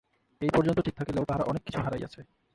এই পর্যন্ত ঠিক থাকিলেও তাহারা অনেক কিছু হারাইয়াছে।